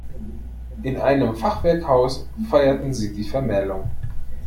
In einem Fachwerkhaus feierten sie die Vermählung.